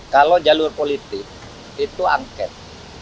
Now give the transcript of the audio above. kalau jalur politik itu angket